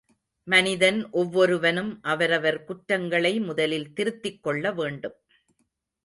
மனிதன் ஒவ்வொருவனும் அவரவர் குற்றங்களை முதலில் திருத்திக் கொள்ள வேண்டும்.